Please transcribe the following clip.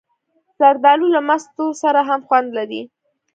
زردالو له مستو سره هم خوند لري.